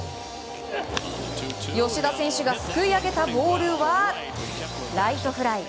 吉田選手がすくい上げたボールはライトフライ。